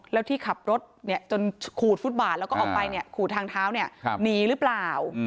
แล้วที่ขับรถจนขูดฟุตบาทแล้วก็ออกไปขูดทางเท้าเนี่ยหนีหรือเปล่า